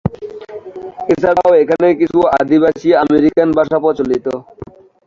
এছাড়াও এখানে কিছু আদিবাসী আমেরিকান ভাষা প্রচলিত।